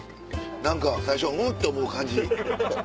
何か最初はん？って思う感じ。